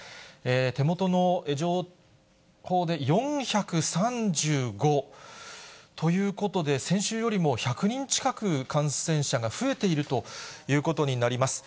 手元の情報で、４３５ということで、先週よりも１００人近く、感染者が増えているということになります。